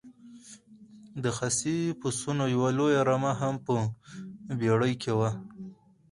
د خسي پسونو یوه لویه رمه هم په بېړۍ کې وه.